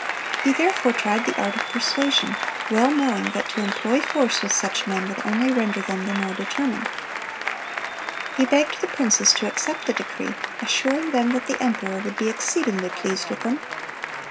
He therefore tried the art of persuasion, well knowing that to employ force with such men would only render them the more determined. He "begged the princes to accept the decree, assuring them that the emperor would be exceedingly pleased with them."